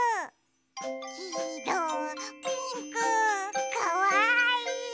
きいろピンクかわいい！